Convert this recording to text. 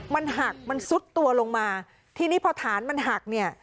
มันหักมันซุดตัวลงมาทีนี้พอฐานมันหักเนี่ย